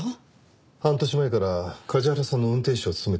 半年前から梶原さんの運転手を務めていたんです。